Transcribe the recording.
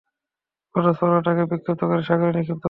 অতঃপর ওটাকে বিক্ষিপ্ত করে সাগরে নিক্ষেপ করবই।